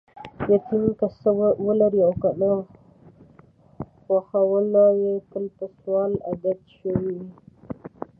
یتیم که څه ولري او کنه، خوخوله یې تل په سوال عادت شوې وي.